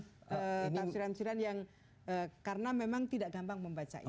tafsiran tafsiran yang karena memang tidak gampang membaca itu